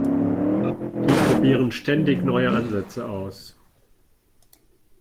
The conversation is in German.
Die probieren ständig neue Ansätze aus.